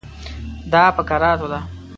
دا په کراتو ده.